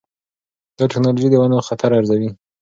دا ټکنالوجي د ونو خطر ارزوي.